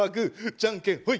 じゃんけんほい。